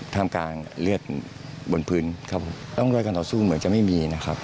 ทำกลางเลือดบนพื้นครับผมร่องรอยการต่อสู้เหมือนจะไม่มีนะครับ